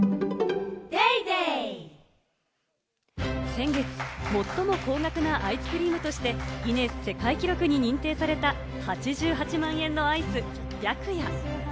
先月、最も高額なアイスクリームとしてギネス世界記録に認定された８８万円のアイス、「白夜」。